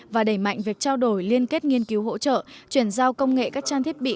và đẩy mạnh việc trao đổi liên kết nghiên cứu hỗ trợ chuyển giao công nghệ các trang thiết bị